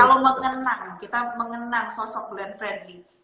kalau mengenang kita mengenang sosok glenn fredly